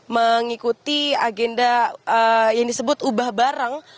mengikuti agenda yang disebut ubah barang